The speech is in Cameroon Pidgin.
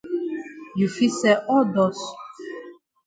You fit sell all dust.